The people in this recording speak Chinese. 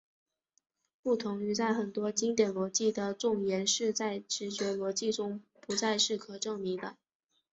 不同在于很多经典逻辑的重言式在直觉逻辑中不再是可证明的。